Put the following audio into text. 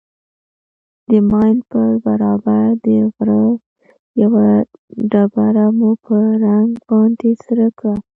د ماين پر برابر د غره يوه ډبره مو په رنگ باندې سره کړه.